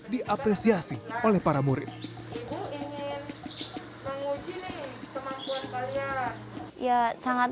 diapresiasi oleh para murid ingin menguji kemampuan kalian ya sangat